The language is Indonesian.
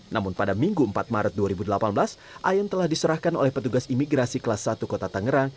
namun pada minggu empat maret dua ribu delapan belas ayan telah diserahkan oleh petugas imigrasi kelas satu kota tangerang